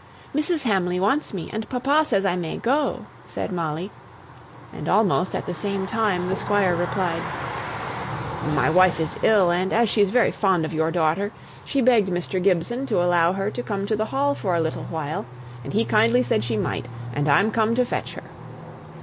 "Mrs. Hamley wants me, and papa says I may go," said Molly; and almost at the same time the Squire replied, "My wife is ill, and as she's very fond of your daughter, she begged Mr. Gibson to allow her to come to the Hall for a little while, and he kindly said she might, and I'm come to fetch her."